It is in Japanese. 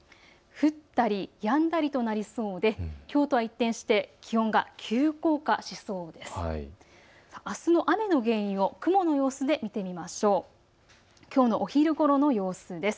降ったりやんだりとなりそうできょうとは一転して気温が急降下しそうです。